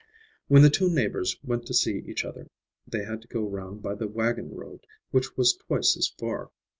When the two neighbors went to see each other, they had to go round by the wagon road, which was twice as far.